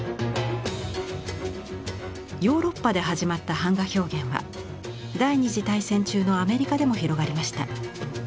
ヨーロッパで始まった版画表現は第二次大戦中のアメリカでも広がりました。